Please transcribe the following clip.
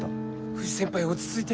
藤先輩落ち着いて！